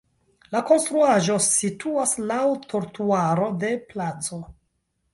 La konstruaĵo situas laŭ trotuaro de placo.